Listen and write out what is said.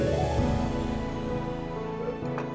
udah siap kok